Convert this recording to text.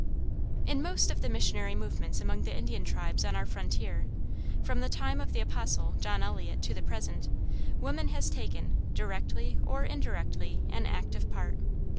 In most of the missionary movements among the Indian tribes on our frontier, from the time of the Apostle, John Eliot, to the present, woman has taken, directly or indirectly, an active part.